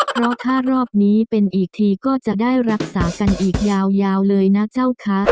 เพราะถ้ารอบนี้เป็นอีกทีก็จะได้รักษากันอีกยาวเลยนะเจ้าคะ